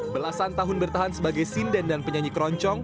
belasan tahun bertahan sebagai sinden dan penyanyi keroncong